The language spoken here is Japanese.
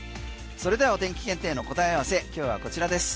それではお天気検定の答え合わせ、今日はこちらです。